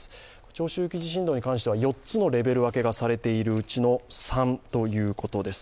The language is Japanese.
長周期地震動に関しては４つのレベル分けがされているうちの３ということです。